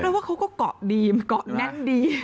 แล้วว่าเขาก็เกาะดีเกาะแน่นดี